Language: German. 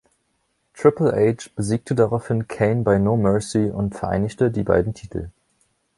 Triple H besiegte daraufhin Kane bei No Mercy und vereinigte die beiden Titel.